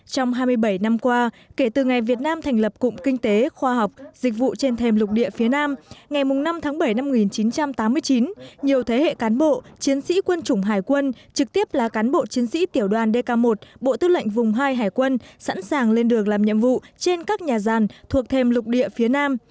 trong hai mươi bảy năm qua kể từ ngày việt nam thành lập cụm kinh tế khoa học dịch vụ trên thềm lục địa phía nam ngày năm tháng bảy năm một nghìn chín trăm tám mươi chín nhiều thế hệ cán bộ chiến sĩ quân chủng hải quân trực tiếp là cán bộ chiến sĩ tiểu đoàn dk một bộ tư lệnh vùng hai hải quân sẵn sàng lên đường làm nhiệm vụ trên các nhà gian thuộc thêm lục địa phía nam